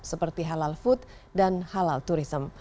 seperti halal food dan halal turism